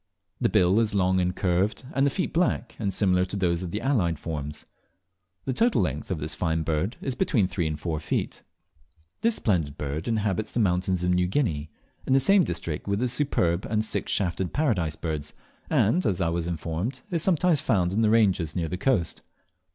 The bill is long and curved, and the feet black, and similar to those of the allied forms. The total length of this fine bird is between three and four feet. This splendid bird inhabits the mountains of New Guinea, in the same district with the Superb and the Six shafted Paradise Birds, and I was informed is sometimes found in the ranges near the coast.